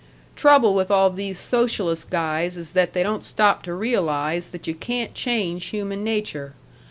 Trouble with all these socialist guys is that they don't stop to realize that you can't change human nature.